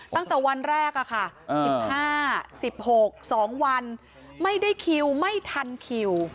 ตั้งแต่วันแรกค่ะ๑๕๑๖๒วันไม่ได้คิวไม่ทันคิว